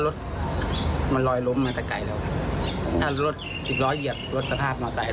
สู้แหล่ก็จบใจ